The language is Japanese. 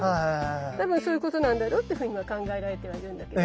多分そういうことなんだろうって今考えられてはいるんだけど。